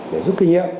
để giúp kinh nghiệm